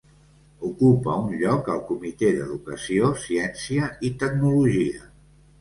Ocupa un lloc al Comitè d'Educació, Ciència i Tecnologia.